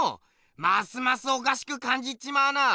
ますますおかしく感じちまうな！